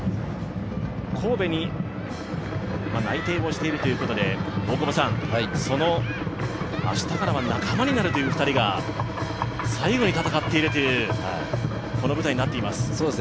神戸に内定をしているということで明日からは仲間になるという２人が最後に戦っているという舞台になっています。